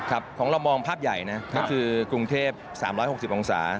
ครับของเรามองภาพใหญ่คือกรุงเทพฯ๓๖๐องศา